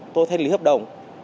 tôi thanh lý hợp đồng